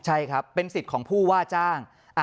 ใช่ครับเป็นสิทธิ์ของผู้ว่าจ้าง